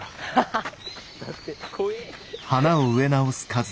ハハハ。